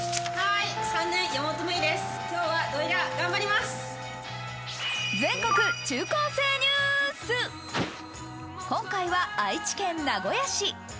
今回は愛知県名古屋市。